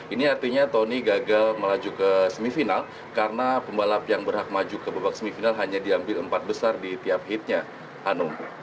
ini artinya tony gagal melaju ke semifinal karena pembalap yang berhak maju ke babak semifinal hanya diambil empat besar di tiap hitnya hanum